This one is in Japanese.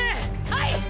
はい！！